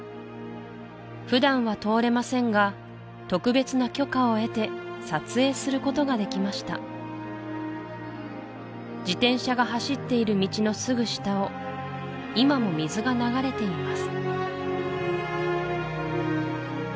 普段は通れませんが特別な許可を得て撮影することができました自転車が走っている道のすぐ下を今も水が流れています